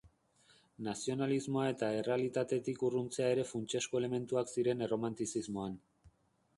Nazionalismoa eta errealitatetik urruntzea ere funtsezko elementuak ziren Erromantizismoan.